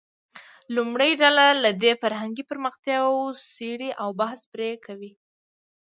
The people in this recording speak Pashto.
لومړۍ ډله دې فرهنګي پرمختیاوې وڅېړي او بحث پرې وکړي.